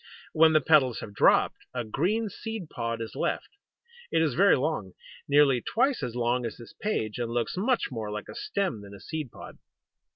When the petals have dropped, a green seed pod is left. It is very long nearly twice as long as this page and looks much more like a stem than a seed pod.